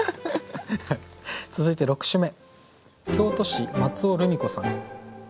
続いて６首目。